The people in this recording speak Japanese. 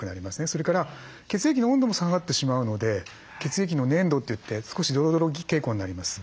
それから血液の温度も下がってしまうので血液の粘度といって少しドロドロ傾向になります。